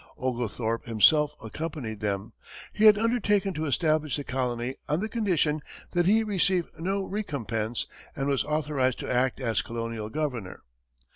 Oglethorpe himself accompanied them. He had undertaken to establish the colony on the condition that he receive no recompense, and was authorized to act as colonial governor.